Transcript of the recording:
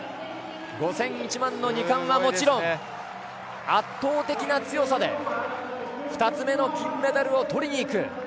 ５０００、１００００の２冠はもちろん圧倒的な強さで２つ目の金メダルをとりにいく。